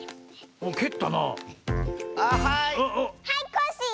はいコッシー！